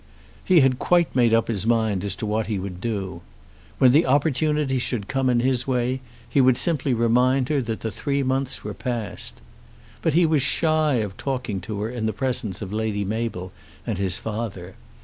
He had quite made up his mind as to what he would do. When the opportunity should come in his way he would simply remind her that the three months were passed. But he was shy of talking to her in the presence of Lady Mabel and his father.